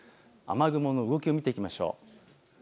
雨雲の動きを見ていきましょう。